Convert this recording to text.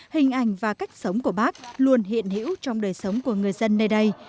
hình ảnh và cách sống của bác luôn hiện hữu trong đời sống của người dân nơi đây